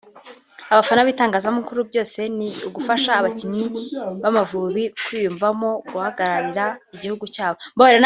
Abafana n’ibitangazamakuru byose ni ugufasha abakinnyi b’Amavubi kwiyumvamo guhagararira igihugu cyabo